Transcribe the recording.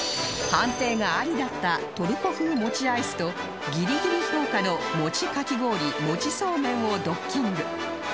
判定がアリだったトルコ風もちアイスとギリギリ評価のもちかき氷もちそうめんをドッキング